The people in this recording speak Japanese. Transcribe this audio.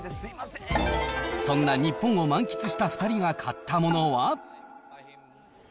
そんな日本を満喫した２人が買ったものは？